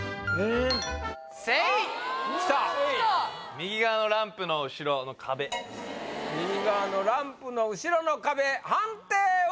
セイッきた右側のランプの後ろの壁右側のランプの後ろの壁判定は？